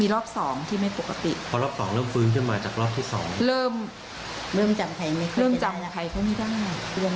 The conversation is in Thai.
รอบ๒ที่ไม่ปกติเริ่มจำใครเข้าไม่ได้